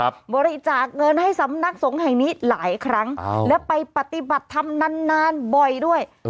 บริจาคเงินให้สำนักสงฆ์แห่งนี้หลายครั้งและไปปฏิบัติธรรมนานนานบ่อยด้วย